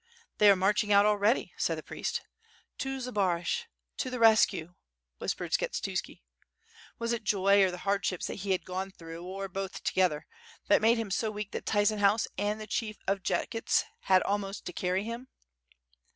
"'I'hey are marching out already," said the priest. To Zbaraj, .... to the rescue," .... whispered Skshctuski. Was it joy, or the hardships that he had gone through, or hotli together, that made him so \\eak that Tyzen hauz and the Chief of Jetchyts had almost to carry him?